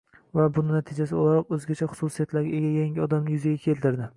va buning natijasi o‘laroq o‘zgacha xususiyatlarga ega «yangi odam»ni yuzaga keltirdi.